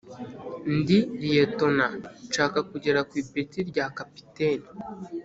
ndi liyetona nshaka kugera ku ipeti rya kapiteni